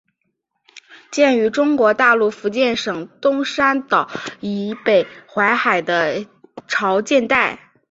见于中国大陆福建省东山岛以北沿海的潮间带。